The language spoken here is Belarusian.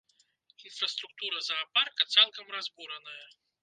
Інфраструктура заапарка цалкам разбураная.